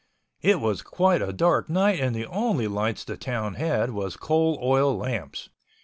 It was quite a dark night and the only lights the town had was coal oil lamps.